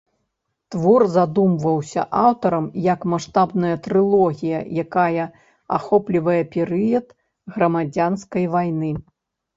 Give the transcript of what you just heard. Твор задумваўся аўтарам, як маштабная трылогія, якая ахоплівае перыяд грамадзянскай вайны.